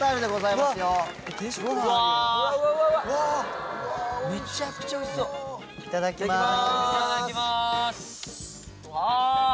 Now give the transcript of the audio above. いただきます。